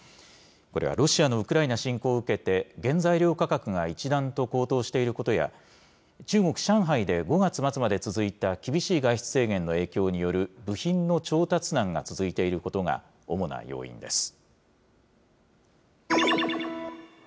これは、ロシアのウクライナ侵攻を受けて、原材料価格が一段と高騰していることや、中国・上海で５月末まで続いた厳しい外出制限の影響による部品の調達難が続いていることが、主な要因です。